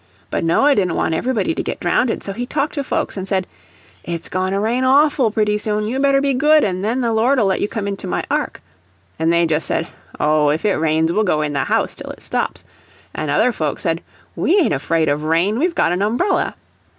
But Noah didn't want everybody to get drownded, so he talked to folks an' said, 'It's goin' to rain AWFUL pretty soon; you'd better be good, an' then the Lord'll let you come into my ark.' An' they jus' said, 'Oh, if it rains we'll go in the house till it stops;' an' other folks said, 'WE ain't afraid of rain we've got an umbrella.'